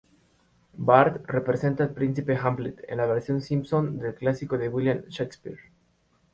Bart representa al Príncipe Hamlet, en la versión Simpson del clásico de William Shakespeare.